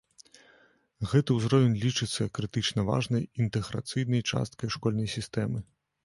Гэты ўзровень лічыцца крытычна важнай інтэграцыйнай часткай школьнай сістэмы.